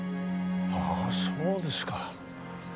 あそうですか。